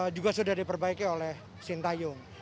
juga sudah diperbaiki oleh sinta yong